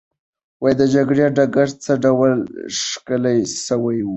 د جګړې ډګر څه ډول ښکلی سوی وو؟